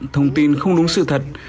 thông tin không đúng sự thật